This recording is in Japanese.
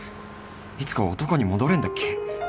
いつか男に戻れんだっけ？